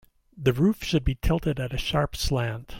The roof should be tilted at a sharp slant.